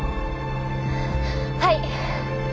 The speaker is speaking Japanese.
はい。